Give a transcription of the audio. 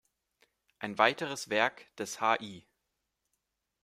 Ein weiteres Werk, des Hl.